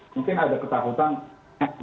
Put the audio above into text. mungkin ada ketakutan